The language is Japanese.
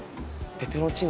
ペペロンチーノ？